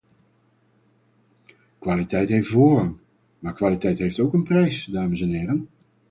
Kwaliteit heeft voorrang, maar kwaliteit heeft ook een prijs, dames en heren.